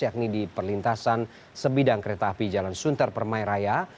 yakni di perlintasan sebidang kereta api jalan sunter permairaya